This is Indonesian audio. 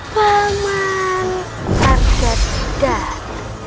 paman arga dan